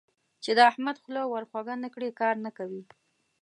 چې د احمد خوله ور خوږه نه کړې؛ کار نه کوي.